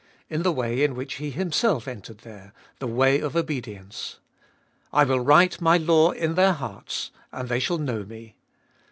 In the way in which He Himself entered there, the way of obedience. I will write My law in their hearts, and they shall know Me.